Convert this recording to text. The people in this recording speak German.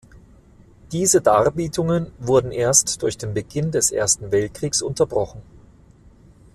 Diese Darbietungen wurden erst durch den Beginn des Ersten Weltkrieges unterbrochen.